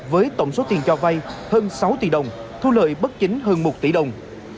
với tổng số tiền cho vay hơn sáu tỷ đồng thu lợi bất chính hơn một tỷ đồng